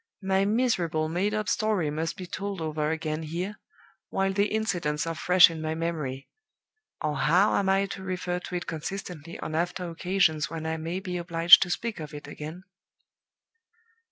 My miserable made up story must be told over again here, while the incidents are fresh in my memory or how am I to refer to it consistently on after occasions when I may be obliged to speak of it again?